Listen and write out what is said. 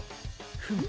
フム。